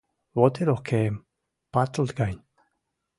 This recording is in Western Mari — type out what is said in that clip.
Вот и рокем — патыл гань...